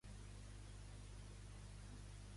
Sediciosos ho som alguns independentistes.